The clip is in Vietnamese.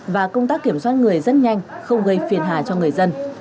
và công tác kiểm soát người rất nhanh không gây phiền hà cho người dân